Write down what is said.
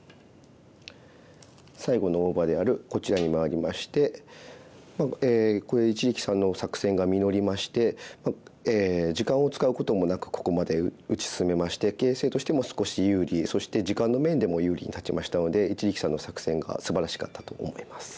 最後の大場であるこちらに回りましてこれ一力さんの作戦が実りまして時間を使うこともなくここまで打ち進めまして形勢としても少し有利そして時間の面でも有利に立ちましたので一力さんの作戦がすばらしかったと思います。